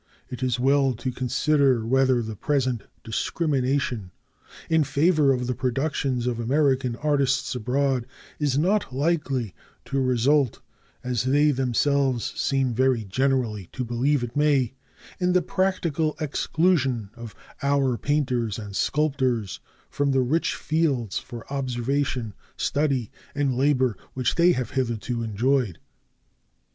It is well to consider whether the present discrimination in favor of the productions of American artists abroad is not likely to result, as they themselves seem very generally to believe it may, in the practical exclusion of our painters and sculptors from the rich fields for observation, study, and labor which they have hitherto enjoyed.